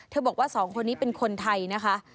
เธอบอกว่า๒คนนี้เป็นคนไทยนะคะ